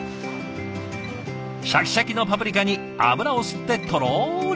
シャキシャキのパプリカに油を吸ってとろりとしたなす。